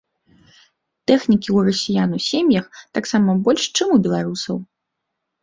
Тэхнікі ў расіян у сем'ях таксама больш, чым у беларусаў.